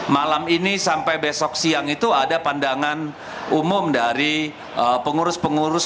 malam ini sampai besok siang itu ada pandangan umum dari pengurus pengurus